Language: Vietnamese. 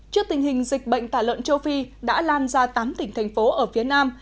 trước tình hình dịch bệnh tả lợn châu phi đã lan ra tám tỉnh thành phố ở phía nam